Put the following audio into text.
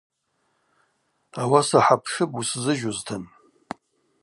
Ауаса хӏапшыпӏ усзыжьузтын.